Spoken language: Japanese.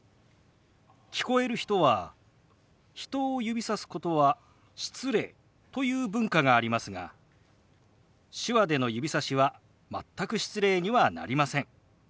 聞こえる人は「人を指さすことは失礼」という文化がありますが手話での指さしは全く失礼にはなりません。